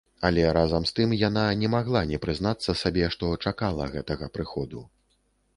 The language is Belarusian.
Але разам з тым яна не магла не прызнацца сабе, што чакала гэтага прыходу.